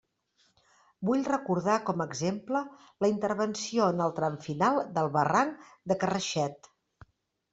Vull recordar com a exemple la intervenció en el tram final del Barranc del Carraixet.